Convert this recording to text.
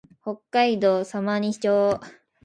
北海道様似町